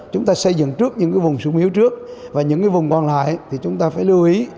chúng ta xây dựng trước những vùng sung yếu trước và những vùng còn lại thì chúng ta phải lưu ý